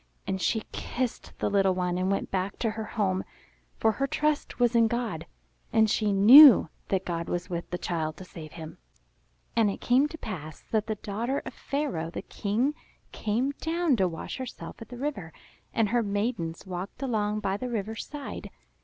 And she kissed the little one and went back to her home; for her trust was in God , and she knew that God was with the child to save him. And it came to pass that the daughter of Pharaoh the King came down to wash herself at the river; and her maidens walked along by the river's side.